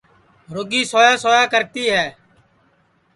رُگی سویا سویا کرتی ہے